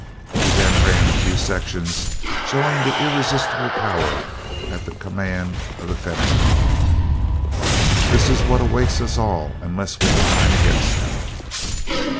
He then ran a few sections showing the irresistible power at the command of the Fenachrone. "That is what awaits us all unless we combine against them."